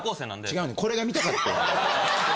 違うねんこれが見たかってん。